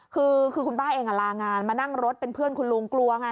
คือคุณป้าเองลางานมานั่งรถเป็นเพื่อนคุณลุงกลัวไง